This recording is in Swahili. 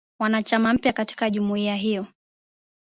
mwanachama mpya katika jumuiya hiyo